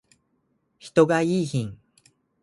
人がいーひん